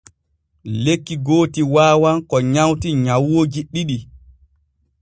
Lekki gooti waawan ko nywati nyawuuji ɗiɗi.